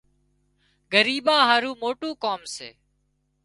ڳريٻان هارو موٽُون ڪام سي